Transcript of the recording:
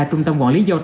trung tâm quản lý dân